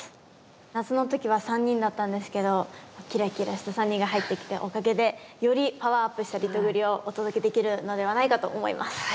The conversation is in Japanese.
夏の時は３人だったんですけどキラキラした３人が入ってきたおかげでよりパワーアップしたリトグリをお届けできるのではないかと思います。